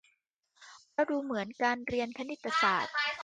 เพราะดูเหมือนการเรียนคณิตศาสตร์